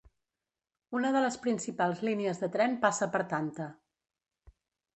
Una de les principals línies de tren passa per Tanta.